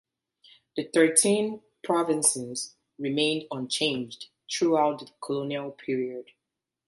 The thirteen provinces remained unchanged throughout the Colonial Period.